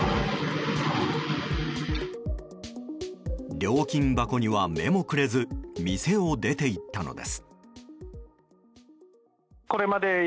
料金箱には目もくれず店を出て行ったのです。